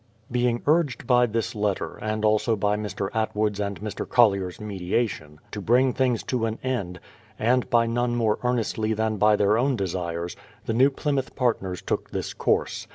Being urged by this letter, and also by Mr. Atwood's and Mr. Collier's mediation, to bring things to an end, and by none more earnestly than by their own desires, the New Plymouth Partners took this course.